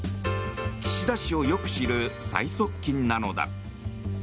岸田氏をよく知る最側近なのだ。